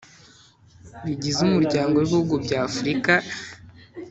bigize Umuryango w Ibihugu bya Afurika